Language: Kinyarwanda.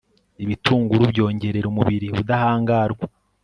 ibitunguru byongerera umubiri ubudahangarwa